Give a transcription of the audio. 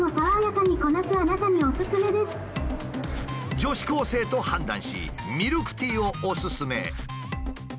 女子高生と判断しミルクティーをおススメ。